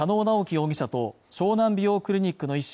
容疑者と湘南美容クリニックの医師